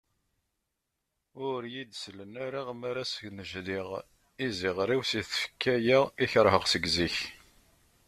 Ur iyi-d-sellen ara mi ara snejliɣ iziɣer-iw si tfekka-ya i kerheɣ seg zik.